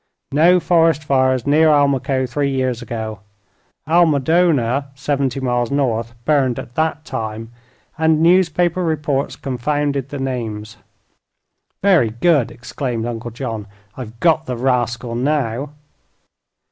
"No forest fires near Almaquo three years ago. Almadona, seventy miles north, burned at that time, and newspaper reports confounded the names." "Very good!" exclaimed Uncle John. "I've got the rascal now."